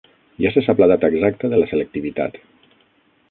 Ja se sap la data exacta de la selectivitat